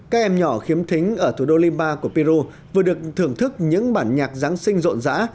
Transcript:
các em nhỏ khiếm thính ở thủ đô lima của peru vừa được thưởng thức những bản nhạc giáng sinh rộn rã